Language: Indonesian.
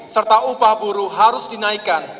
serta upah buruh harus dinaikkan